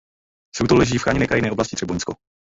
Suchdol leží v chráněné krajinné oblasti Třeboňsko.